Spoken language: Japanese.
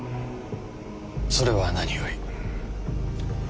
それは何より。